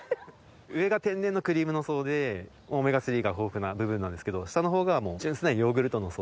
上が天然のクリームの層でオメガ３が豊富な部分なんですけど下のほうが純粋なヨーグルトの層。